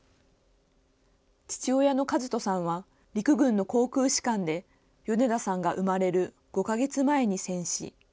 父親の主登さんは、陸軍の航空士官で、米田さんが生まれる５か月前に戦死。